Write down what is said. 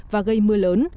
và gây mưa lớn